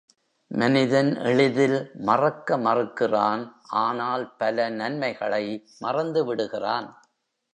மனிதன் எளிதில் மறக்க மறுக்கிறான், ஆனால் பல நன்மைகளை மறந்து விடுகிறான்.